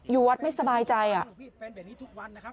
อยู่วัดไม่สบายใจเป็นแบบนี้ทุกวันนะครับ